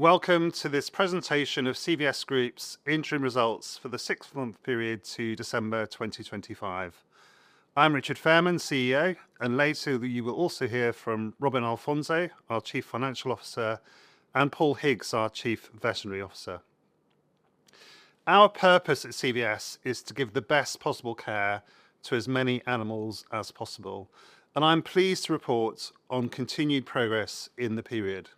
Welcome to this presentation of CVS Group's interim results for the sixth-month period to December 2025. I'm Richard Fairman, CEO. Later, you will also hear from Robin Alfonso, our Chief Financial Officer, and Paul Higgs, our Chief Veterinary Officer. Our purpose at CVS is to give the best possible care to as many animals as possible. I'm pleased to report on continued progress in the period.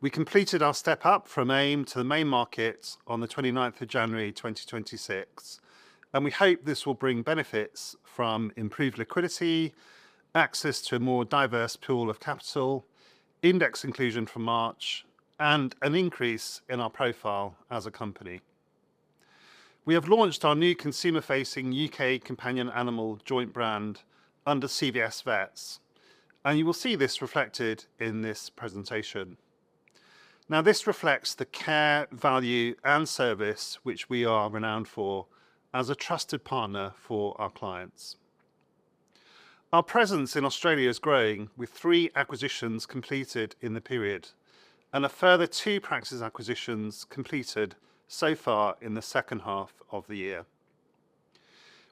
We completed our step up from AIM to the Main Market on the 29th of January, 2026. We hope this will bring benefits from improved liquidity, access to a more diverse pool of capital, index inclusion from March, and an increase in our profile as a company. We have launched our new consumer-facing UK companion animal joint brand under CVS Vets. You will see this reflected in this presentation. This reflects the care, value, and service which we are renowned for as a trusted partner for our clients. Our presence in Australia is growing, with 3 acquisitions completed in the period, a further 2 practice acquisitions completed so far in the second half of the year.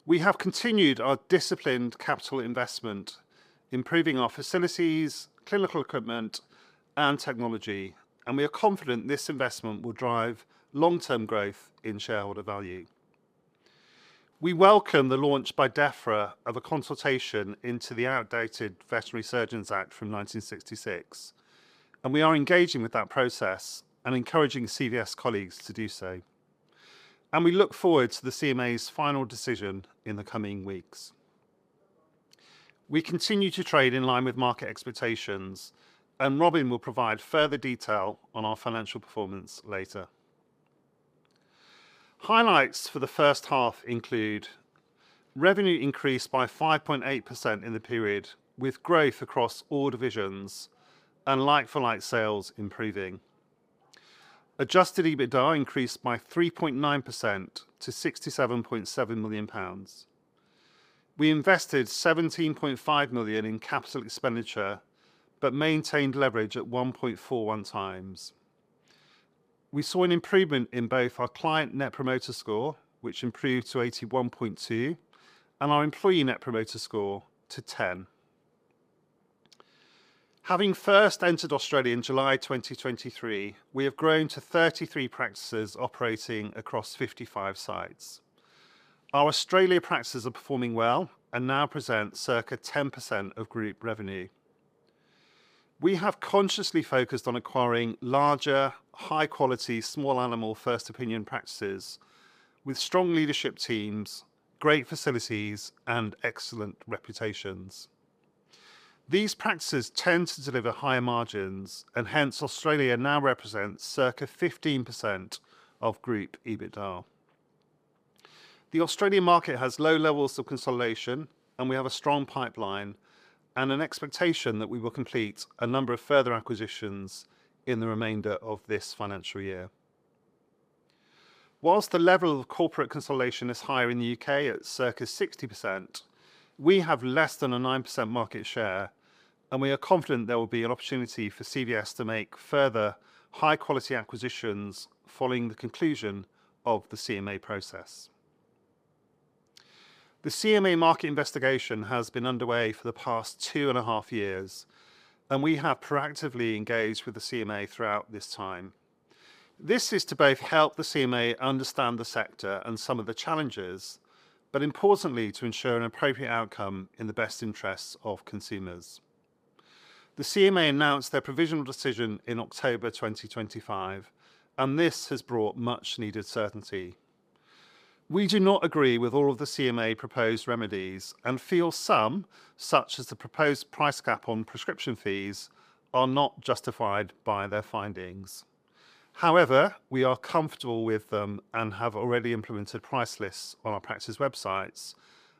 We have continued our disciplined capital investment, improving our facilities, clinical equipment, and technology, we are confident this investment will drive long-term growth in shareholder value. We welcome the launch by Defra of a consultation into the outdated Veterinary Surgeons Act from 1966. We are engaging with that process and encouraging CVS colleagues to do so, we look forward to the CMA's final decision in the coming weeks. We continue to trade in line with market expectations, Robin will provide further detail on our financial performance later. Highlights for the first half include: revenue increased by 5.8% in the period, with growth across all divisions and like-for-like sales improving. Adjusted EBITDA increased by 3.9% to 67.7 million pounds. We invested 17.5 million in capital expenditure maintained leverage at 1.41 times. We saw an improvement in both our client Net Promoter Score, which improved to 81.2, and our employee Net Promoter Score to 10. Having first entered Australia in July 2023, we have grown to 33 practices operating across 55 sites. Our Australia practices are performing well and now present circa 10% of group revenue. We have consciously focused on acquiring larger, high-quality, small animal, first-opinion practices with strong leadership teams, great facilities, and excellent reputations. These practices tend to deliver higher margins, hence, Australia now represents circa 15% of group EBITDA. The Australian market has low levels of consolidation, we have a strong pipeline and an expectation that we will complete a number of further acquisitions in the remainder of this financial year. Whilst the level of corporate consolidation is higher in the U.K. at circa 60%, we have less than a 9% market share, we are confident there will be an opportunity for CVS to make further high-quality acquisitions following the conclusion of the CMA process. The CMA market investigation has been underway for the past 2.5 years, we have proactively engaged with the CMA throughout this time. This is to both help the CMA understand the sector and some of the challenges, but importantly, to ensure an appropriate outcome in the best interests of consumers. The CMA announced their provisional decision in October 2025, and this has brought much-needed certainty. We do not agree with all of the CMA proposed remedies and feel some, such as the proposed price cap on prescription fees, are not justified by their findings. However, we are comfortable with them and have already implemented price lists on our practice websites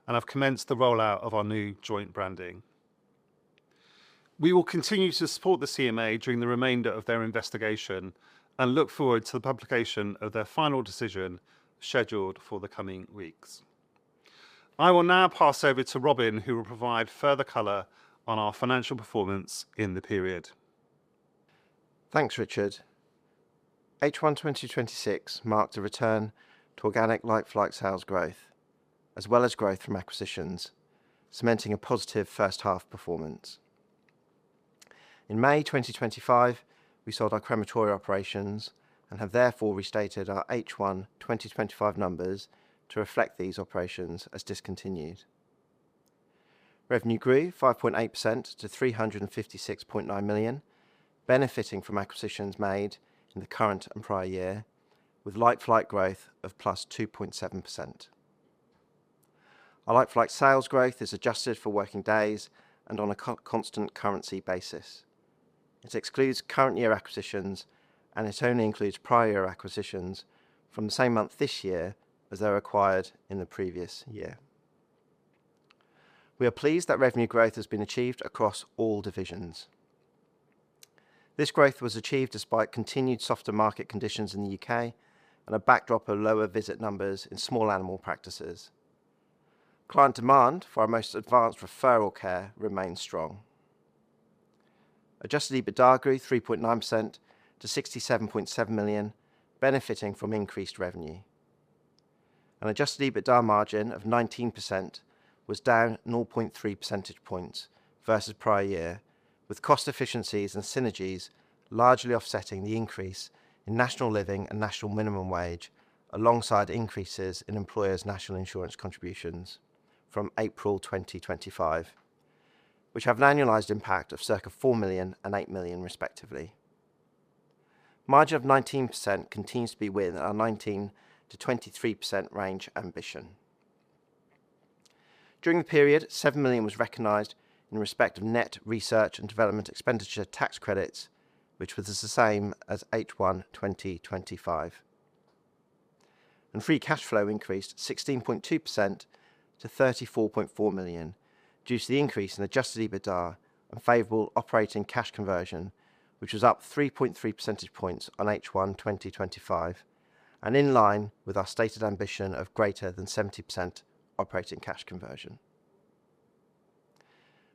and have commenced the rollout of our new joint branding. We will continue to support the CMA during the remainder of their investigation and look forward to the publication of their final decision, scheduled for the coming weeks. I will now pass over to Robin, who will provide further color on our financial performance in the period. Thanks, Richard. H1 2026 marked a return to organic like-for-like sales growth, as well as growth from acquisitions, cementing a positive first-half performance. In May 2025, we sold our crematoria operations and have therefore restated our H1 2025 numbers to reflect these operations as discontinued. Revenue grew 5.8% to 356.9 million, benefiting from acquisitions made in the current and prior year, with like-for-like growth of +2.7%. Our like-for-like sales growth is adjusted for working days and on a co-constant currency basis. It excludes current year acquisitions, and it only includes prior acquisitions from the same month this year as they were acquired in the previous year. We are pleased that revenue growth has been achieved across all divisions. This growth was achieved despite continued softer market conditions in the U.K. and a backdrop of lower visit numbers in small animal practices. Client demand for our most advanced referral care remains strong. Adjusted EBITDA grew 3.9% to 67.7 million, benefiting from increased revenue. An adjusted EBITDA margin of 19% was down 0.3 percentage points versus prior year, with cost efficiencies and synergies largely offsetting the increase in national living and national minimum wage, alongside increases in employers' national insurance contributions from April 2025, which have an annualized impact of circa 4 million and 8 million, respectively. Margin of 19% continues to be within our 19%-23% range ambition. During the period, 7 million was recognized in respect of net research and development expenditure tax credits, which was the same as H1, 2025. Free cash flow increased 16.2% to 34.4 million due to the increase in adjusted EBITDA and favorable operating cash conversion, which was up 3.3 percentage points on H1, 2025, and in line with our stated ambition of greater than 70% operating cash conversion.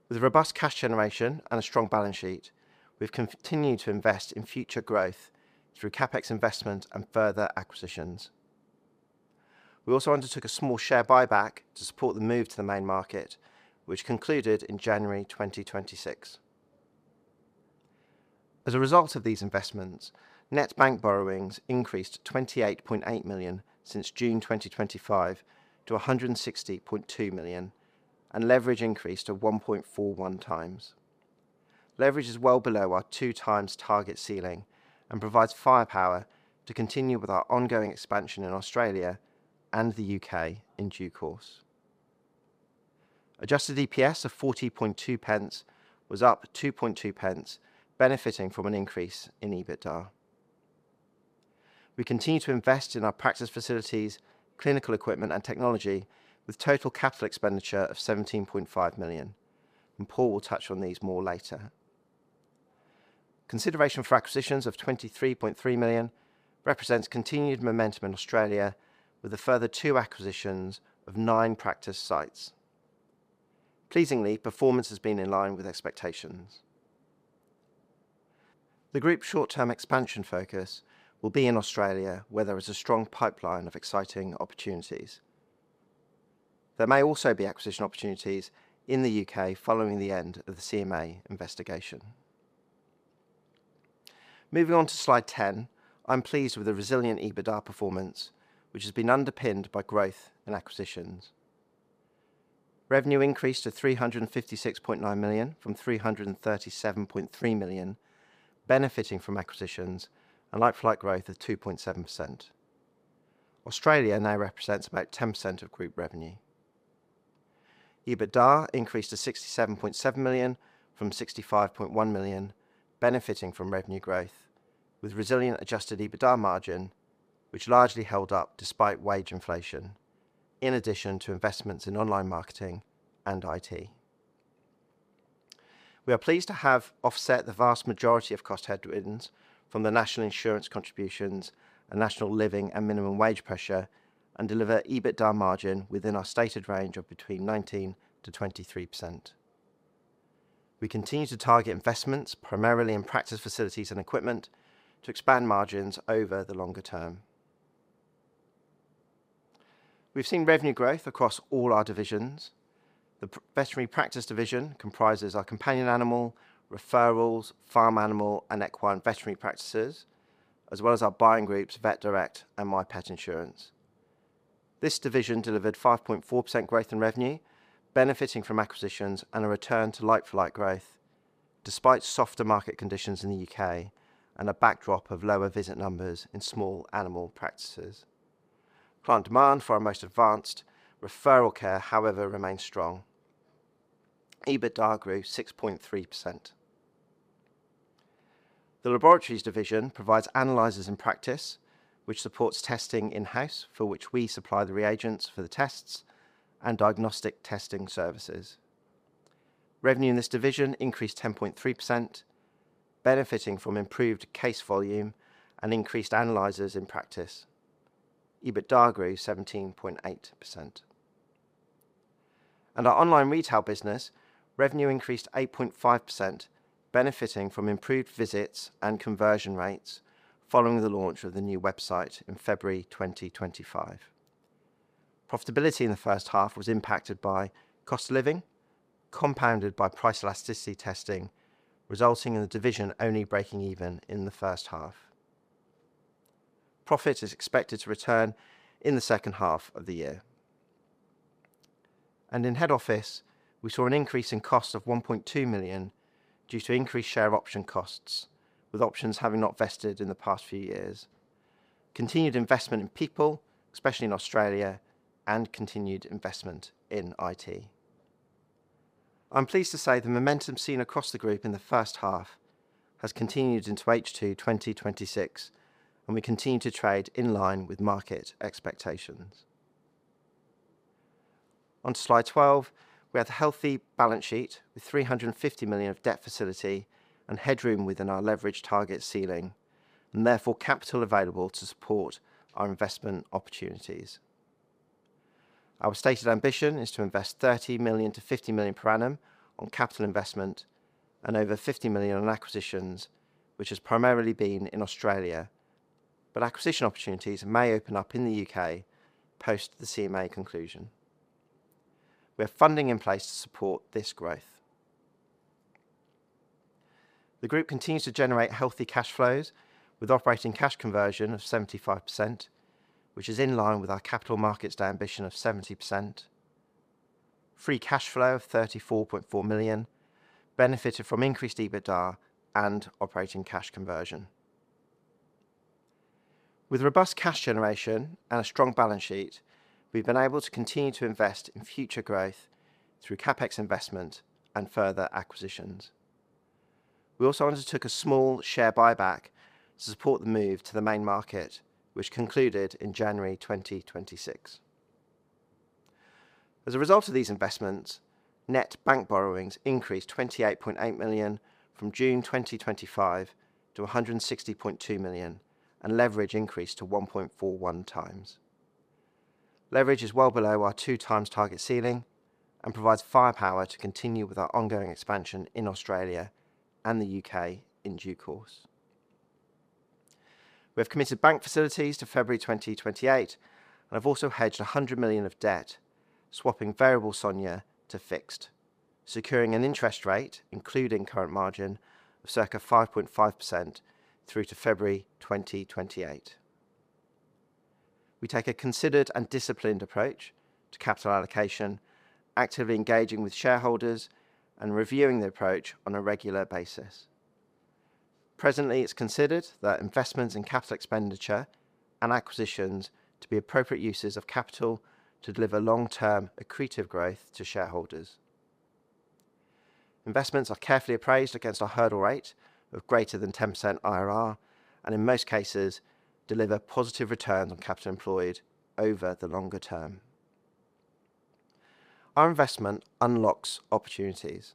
With robust cash generation and a strong balance sheet, we've continued to invest in future growth through CapEx investment and further acquisitions. We also undertook a small share buyback to support the move to the Main Market, which concluded in January 2026. As a result of these investments, net bank borrowings increased to 28.8 million since June 2025 to 160.2 million, and leverage increased to 1.41 times. Leverage is well below our 2 times target ceiling and provides firepower to continue with our ongoing expansion in Australia and the UK in due course. Adjusted EPS of 0.402 was up 0.022, benefiting from an increase in EBITDA. We continue to invest in our practice facilities, clinical equipment, and technology with total capital expenditure of 17.5 million, and Paul will touch on these more later. Consideration for acquisitions of 23.3 million represents continued momentum in Australia, with a further 2 acquisitions of 9 practice sites. Pleasingly, performance has been in line with expectations. The group's short-term expansion focus will be in Australia, where there is a strong pipeline of exciting opportunities. There may also be acquisition opportunities in the UK following the end of the CMA investigation. Moving on to Slide 10, I'm pleased with the resilient EBITDA performance, which has been underpinned by growth and acquisitions. Revenue increased to 356.9 million from 337.3 million, benefiting from acquisitions and like-for-like growth of 2.7%. Australia now represents about 10% of group revenue. EBITDA increased to 67.7 million from 65.1 million, benefiting from revenue growth, with resilient adjusted EBITDA margin, which largely held up despite wage inflation, in addition to investments in online marketing and IT. We are pleased to have offset the vast majority of cost headwinds from the national insurance contributions and national living and minimum wage pressure, and deliver EBITDA margin within our stated range of between 19%-23%. We continue to target investments, primarily in practice facilities and equipment, to expand margins over the longer term. We've seen revenue growth across all our divisions. The Veterinary Practice division comprises our companion animal, referrals, farm animal, and equine veterinary practices, as well as our buying groups, Vet Direct and MiPet Cover. This division delivered 5.4% growth in revenue, benefiting from acquisitions and a return to like-for-like growth, despite softer market conditions in the UK and a backdrop of lower visit numbers in small animal practices. Client demand for our most advanced referral care, however, remains strong. EBITDA grew 6.3%. The Laboratories division provides analyzers in practice, which supports testing in-house, for which we supply the reagents for the tests and diagnostic testing services. Revenue in this division increased 10.3%, benefiting from improved case volume and increased analyzers in practice. EBITDA grew 17.8%. In our online retail business, revenue increased 8.5%, benefiting from improved visits and conversion rates following the launch of the new website in February 2025. Profitability in the first half was impacted by cost of living, compounded by price elasticity testing, resulting in the division only breaking even in the first half. Profit is expected to return in the second half of the year. In head office, we saw an increase in costs of 1.2 million due to increased share option costs, with options having not vested in the past few years, continued investment in people, especially in Australia, and continued investment in IT. I'm pleased to say the momentum seen across the group in the first half has continued into H2, 2026, and we continue to trade in line with market expectations. On Slide 12, we have a healthy balance sheet with 350 million of debt facility and headroom within our leverage target ceiling. Therefore capital available to support our investment opportunities. Our stated ambition is to invest 30 million-50 million per annum on capital investment and over 50 million on acquisitions, which has primarily been in Australia, but acquisition opportunities may open up in the UK post the CMA conclusion. We have funding in place to support this growth. The group continues to generate healthy cash flows, with operating cash conversion of 75%, which is in line with our capital markets ambition of 70%. Free cash flow of 34.4 million benefited from increased EBITDA and operating cash conversion. With robust cash generation and a strong balance sheet, we've been able to continue to invest in future growth through CapEx investment and further acquisitions. We also undertook a small share buyback to support the move to the Main Market, which concluded in January 2026. As a result of these investments, net bank borrowings increased 28.8 million from June 2025 to 160.2 million, and leverage increased to 1.41 times. Leverage is well below our 2 times target ceiling and provides firepower to continue with our ongoing expansion in Australia and the UK in due course. We have committed bank facilities to February 2028. We have also hedged 100 million of debt, swapping variable SONIA to fixed, securing an interest rate, including current margin, of circa 5.5% through to February 2028. We take a considered and disciplined approach to capital allocation, actively engaging with shareholders and reviewing the approach on a regular basis. Presently, it's considered that investments in capital expenditure and acquisitions to be appropriate uses of capital to deliver long-term accretive growth to shareholders. Investments are carefully appraised against a hurdle rate of greater than 10% IRR, and in most cases, deliver positive returns on capital employed over the longer term. Our investment unlocks opportunities.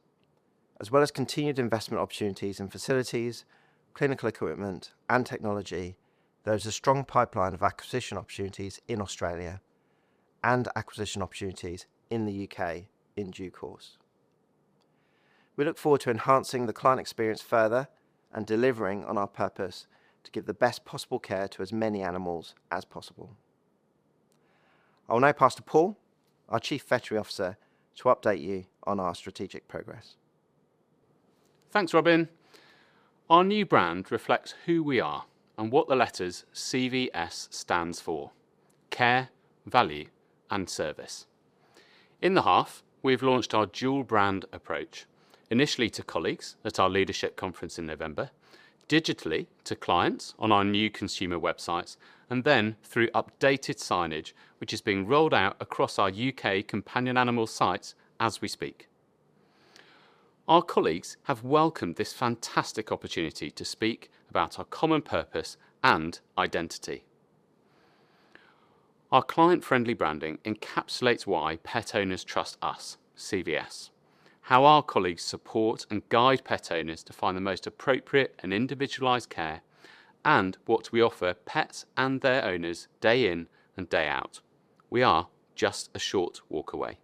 As well as continued investment opportunities in facilities, clinical equipment, and technology, there is a strong pipeline of acquisition opportunities in Australia and acquisition opportunities in the UK in due course. We look forward to enhancing the client experience further and delivering on our purpose to give the best possible care to as many animals as possible. I will now pass to Paul, our Chief Veterinary Officer, to update you on our strategic progress. Thanks, Robin. Our new brand reflects who we are and what the letters CVS stands for: Care, Value, and Service. In the half, we've launched our dual brand approach, initially to colleagues at our leadership conference in November, digitally to clients on our new consumer websites, and then through updated signage, which is being rolled out across our U.K. companion animal sites as we speak. Our colleagues have welcomed this fantastic opportunity to speak about our common purpose and identity. Our client-friendly branding encapsulates why pet owners trust us, CVS, how our colleagues support and guide pet owners to find the most appropriate and individualized care, and what we offer pets and their owners day in and day out. We are just a short walk away.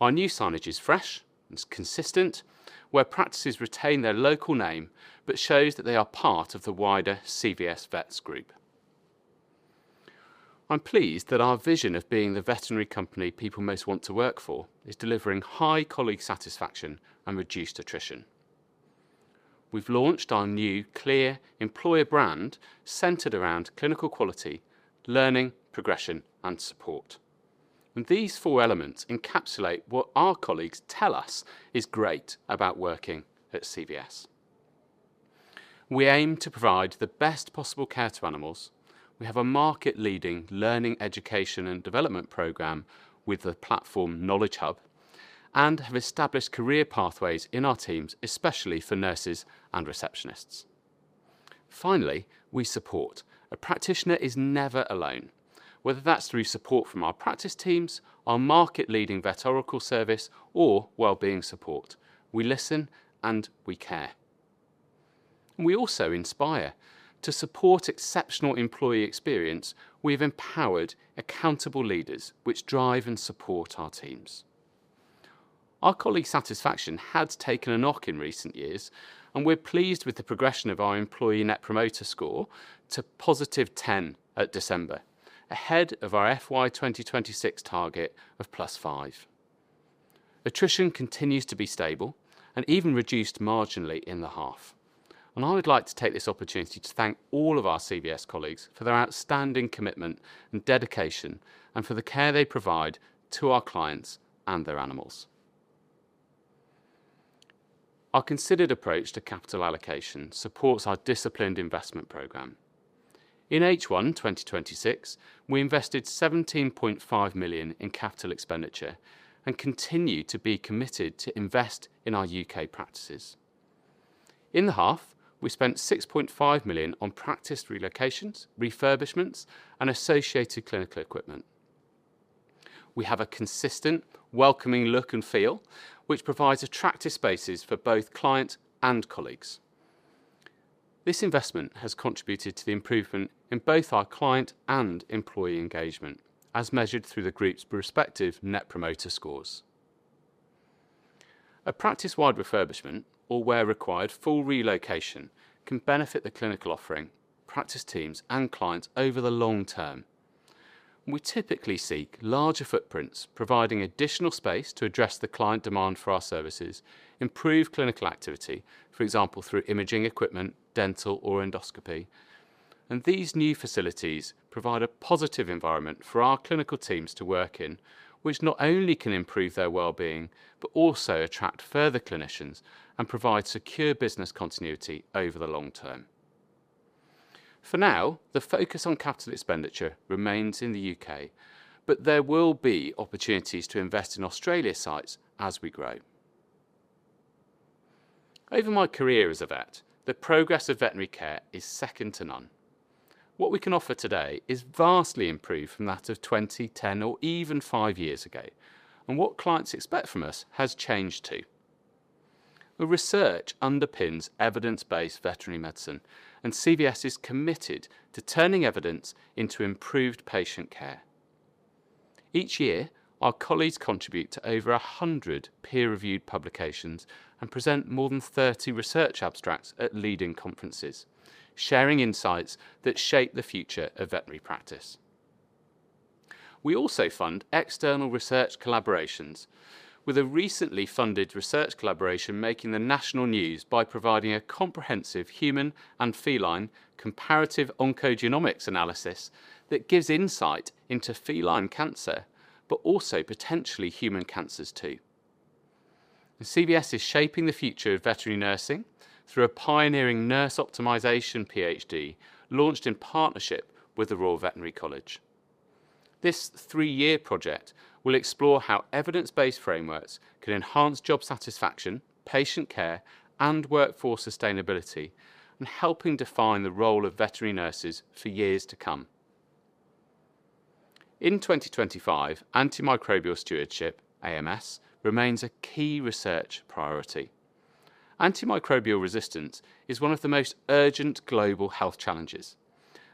Our new signage is fresh and it's consistent, where practices retain their local name, but shows that they are part of the wider CVS Vets Group. I'm pleased that our vision of being the veterinary company people most want to work for is delivering high colleague satisfaction and reduced attrition. We've launched our new clear employer brand centered around clinical quality, learning, progression, and support. These four elements encapsulate what our colleagues tell us is great about working at CVS. We aim to provide the best possible care to animals. We have a market-leading learning, education, and development program with the platform Knowledge Hub, and have established career pathways in our teams, especially for nurses and receptionists. Finally, we support. A practitioner is never alone, whether that's through support from our practice teams, our market-leading Vet Oracle service, or wellbeing support. We listen, and we care. We also inspire. To support exceptional employee experience, we've empowered accountable leaders, which drive and support our teams. Our colleague satisfaction had taken a knock in recent years. We're pleased with the progression of our employee Net Promoter Score to +10 at December, ahead of our FY 2026 target of +5. Attrition continues to be stable and even reduced marginally in the half. I would like to take this opportunity to thank all of our CVS colleagues for their outstanding commitment and dedication, for the care they provide to our clients and their animals. Our considered approach to capital allocation supports our disciplined investment program. In H1 2026, we invested 17.5 million in capital expenditure and continue to be committed to invest in our UK practices. In the half, we spent 6.5 million on practice relocations, refurbishments, and associated clinical equipment. We have a consistent, welcoming look and feel, which provides attractive spaces for both clients and colleagues. This investment has contributed to the improvement in both our client and employee engagement, as measured through the group's respective Net Promoter Scores. A practice-wide refurbishment or, where required, full relocation can benefit the clinical offering, practice teams, and clients over the long term. We typically seek larger footprints, providing additional space to address the client demand for our services, improve clinical activity, for example, through imaging equipment, dental or endoscopy, and these new facilities provide a positive environment for our clinical teams to work in, which not only can improve their well-being, but also attract further clinicians and provide secure business continuity over the long term. For now, the focus on capital expenditure remains in the U.K., but there will be opportunities to invest in Australia sites as we grow. Over my career as a vet, the progress of veterinary care is second to none. What we can offer today is vastly improved from that of 2010 or even 5 years ago. What clients expect from us has changed, too. The research underpins evidence-based veterinary medicine. CVS is committed to turning evidence into improved patient care. Each year, our colleagues contribute to over 100 peer-reviewed publications and present more than 30 research abstracts at leading conferences, sharing insights that shape the future of veterinary practice. We also fund external research collaborations, with a recently funded research collaboration making the national news by providing a comprehensive human and feline comparative oncogenomics analysis that gives insight into feline cancer, also potentially human cancers, too. CVS is shaping the future of veterinary nursing through a pioneering nurse optimization PhD, launched in partnership with the Royal Veterinary College. This three-year project will explore how evidence-based frameworks can enhance job satisfaction, patient care, and workforce sustainability, and helping define the role of veterinary nurses for years to come. In 2025, antimicrobial stewardship, AMS, remains a key research priority. Antimicrobial resistance is one of the most urgent global health challenges,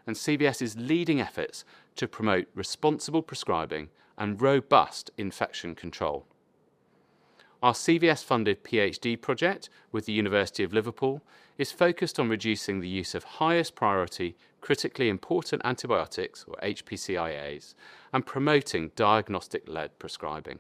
CVS is leading efforts to promote responsible prescribing and robust infection control. Our CVS-funded PhD project with the University of Liverpool is focused on reducing the use of highest priority, critically important antibiotics, or HPCIAs, and promoting diagnostic-led prescribing.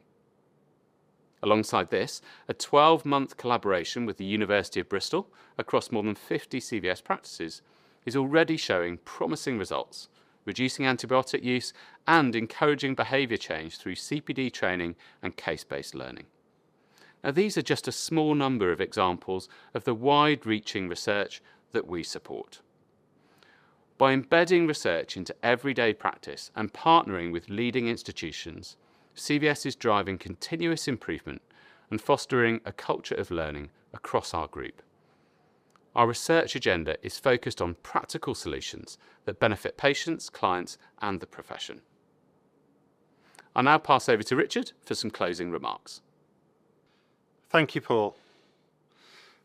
Alongside this, a 12-month collaboration with the University of Bristol across more than 50 CVS practices is already showing promising results, reducing antibiotic use and encouraging behavior change through CPD training and case-based learning. Now, these are just a small number of examples of the wide-reaching research that we support. By embedding research into everyday practice and partnering with leading institutions, CVS is driving continuous improvement and fostering a culture of learning across our group. Our research agenda is focused on practical solutions that benefit patients, clients, and the profession. I'll now pass over to Richard for some closing remarks. Thank you, Paul.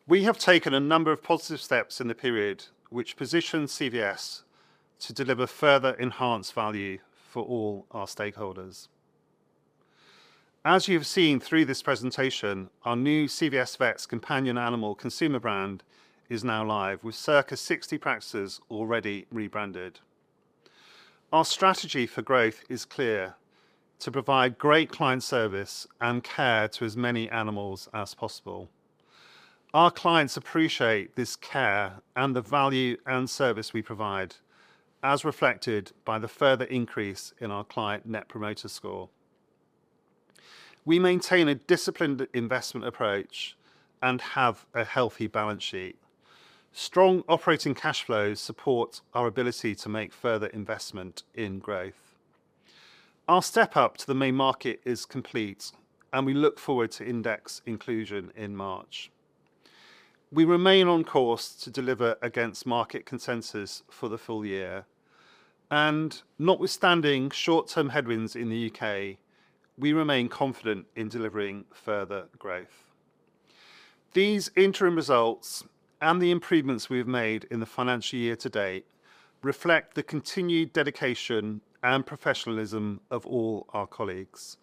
We have taken a number of positive steps in the period, which position CVS to deliver further enhanced value for all our stakeholders. As you've seen through this presentation, our new CVS Vets companion animal consumer brand is now live, with circa 60 practices already rebranded. Our strategy for growth is clear: to provide great client service and care to as many animals as possible. Our clients appreciate this care and the value and service we provide, as reflected by the further increase in our client Net Promoter Score. We maintain a disciplined investment approach and have a healthy balance sheet. Strong operating cash flows support our ability to make further investment in growth. Our step up to the Main Market is complete, and we look forward to index inclusion in March. We remain on course to deliver against market consensus for the full year, and notwithstanding short-term headwinds in the UK, we remain confident in delivering further growth. These interim results and the improvements we've made in the financial year to date reflect the continued dedication and professionalism of all our colleagues.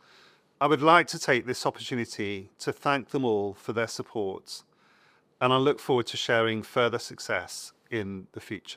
I would like to take this opportunity to thank them all for their support, and I look forward to sharing further success in the future.